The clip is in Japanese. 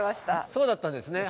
そうだったんですね。